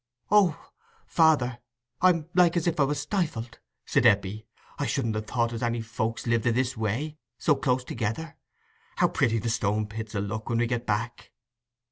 "O father, I'm like as if I was stifled," said Eppie. "I couldn't ha' thought as any folks lived i' this way, so close together. How pretty the Stone pits 'ull look when we get back!"